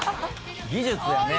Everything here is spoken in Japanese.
「技術やね」